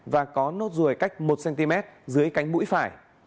và có nốt ruồi cách một cm dưới cánh mũi phải